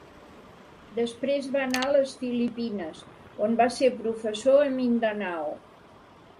Després va anar a les Filipines, on va ser professor a Mindanao.